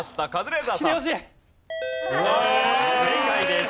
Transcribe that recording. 正解です。